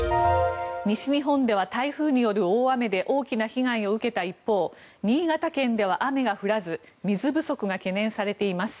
西日本では台風による大雨で大きな被害を受けた一方新潟県では雨が降らず水不足が懸念されています。